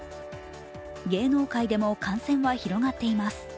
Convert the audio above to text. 芸能界でも感染は広がっています。